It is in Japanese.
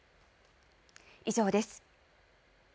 以上です。